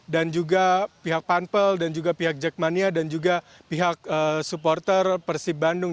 dan juga pihak pampel dan juga pihak jackmania dan juga pihak supporter persib bandung